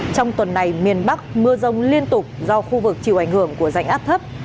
trong tuần này miền bắc mưa rông liên tục do khu vực chịu ảnh hưởng của rãnh áp thấp